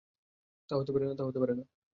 তা হতে পারে না।